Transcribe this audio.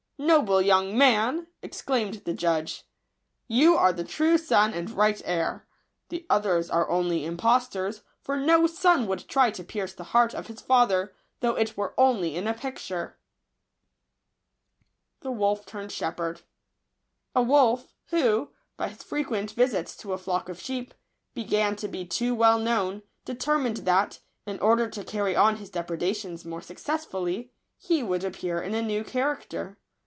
" Noble young man !" ex claimed the judge, " you are the true son and right heir, the others are only impostors ; for no son would try to pierce the heart of his father, though it were only in a picture !" IP uja*i>flCCsuaa&a&t Digitized by v^ooQle ®j )t BBoIf turned Jbfjepi&etto. * WOLF, who, by his frequent visits to a flock of sheep, began to be too well known, deter mined that, in order to carry on his depre dations more successfully, he would appear in a new character.